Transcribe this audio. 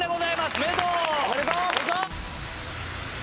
おめでとう！